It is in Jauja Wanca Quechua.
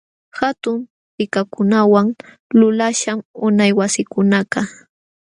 Hatun tikakunawan lulaśhqam unay wasikunakaq.